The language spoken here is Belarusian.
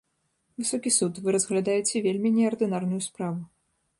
Высокі суд, вы разглядаеце вельмі неардынарную справу.